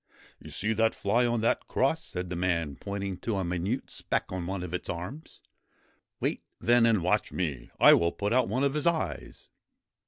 ' You see that fly on that cross ?' said the man, pointing to a minute speck on one of its arms. ' Wait then, and watch me 1 I will put out one of its eyes.'